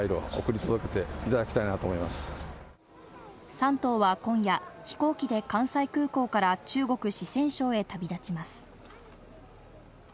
３頭は今夜、飛行機で関西空港から中国・四川省へ旅立ちます。